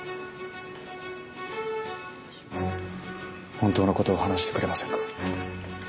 本当のことを話してくれませんか？